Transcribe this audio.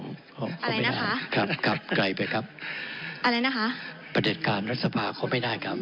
อะไรนะคะครับครับไกลไปครับอะไรนะคะประเด็จการรัฐสภาเข้าไม่ได้ครับ